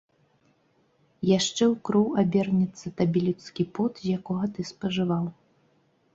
Яшчэ ў кроў абернецца табе людскі пот, з якога ты спажываў!